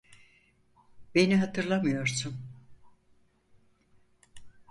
Beni hatırlamıyorsun.